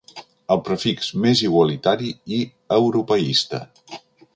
El prefix més igualitari i europeista.